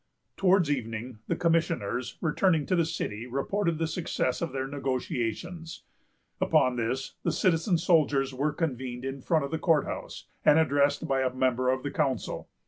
Towards evening, the commissioners, returning to the city, reported the success of their negotiations. Upon this, the citizen soldiers were convened in front of the court house, and addressed by a member of the council.